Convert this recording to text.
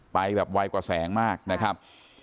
ไปแบบไวกว่าแสงมากนะครับ